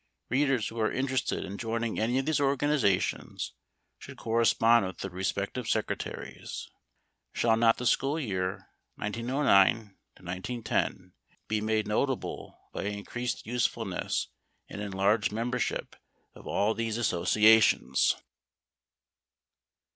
Readers who are interested in joining any of these organizations should correspond with the respective secretaries. Shall not the school year 1909 1910 be made notable by increased usefulness and enlarged membership of all these associations?